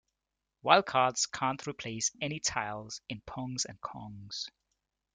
Wildcards can't replace any tiles in Pongs and Kongs.